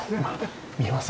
見えます？